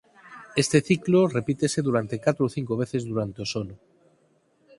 Este ciclo repítese durante catro ou cinco veces durante o sono.